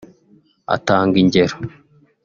Atanga ingero